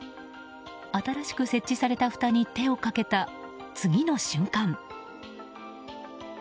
新しく設置されたふたに手をかけた次の瞬間。